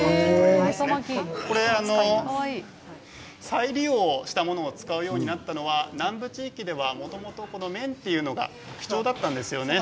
再利用したものを使うようになったのは南部地域ではもともと綿が貴重だったんですね。